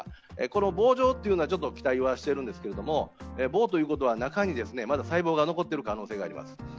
この棒状というのはちょっと期待はしているんですけど、棒ということは、中にまだ細胞が残っている可能性があります。